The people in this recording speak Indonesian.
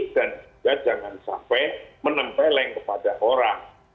dan juga jangan sampai menempeleng kepada orang